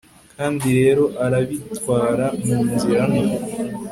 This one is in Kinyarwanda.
kandi rero arabitwara munzira nto